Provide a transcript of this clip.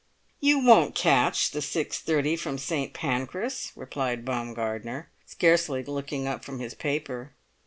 "You won't catch the six thirty from St. Pancras," replied Baumgartner, scarcely looking up from his paper.